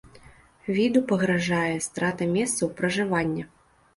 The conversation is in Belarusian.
Віду пагражае страта месцаў пражывання.